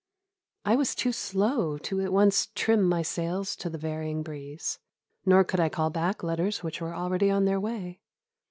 I was too slow to at once trim my sails to the varying breeze, nor could I call back letters which were already on their way.